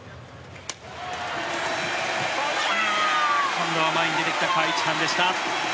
今度は前に出てきたカ・イチハンでした。